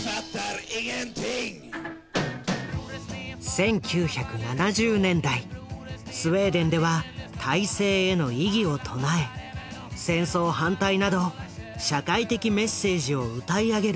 １９７０年代スウェーデンでは体制への異議を唱え戦争反対など社会的メッセージを歌い上げる